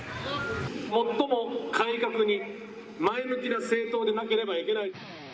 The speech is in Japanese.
最も改革に前向きな政党でなければいけない。